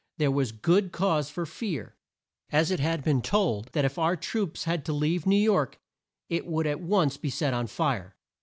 There was good cause for fear, as it had been told that if our troops had to leave New York it would at once be set on fire.